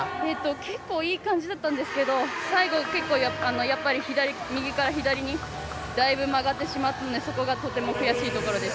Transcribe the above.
結構いい感じでしたが最後、右から左にだいぶ曲がってしまったのでそこがとても悔しいところです。